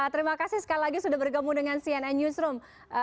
terima kasih sekali lagi sudah bergabung dengan cnn newsroom